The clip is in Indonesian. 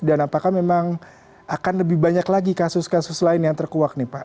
dan apakah memang akan lebih banyak lagi kasus kasus lain yang terkuak nih pak